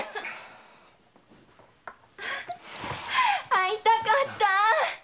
逢いたかったぁ！